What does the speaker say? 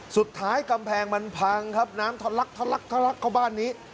สุดท้ายกำแพงมันพังครับน้ำทัลลักเข้าบ้านนี้